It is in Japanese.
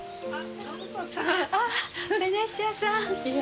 ああベニシアさん！